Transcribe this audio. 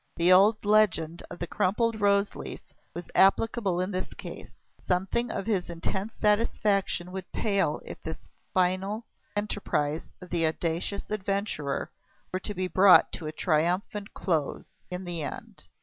The old legend of the crumpled roseleaf was applicable in his case. Something of his intense satisfaction would pale if this final enterprise of the audacious adventurer were to be brought to a triumphant close in the end.